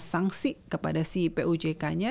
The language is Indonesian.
sanksi kepada si pojk nya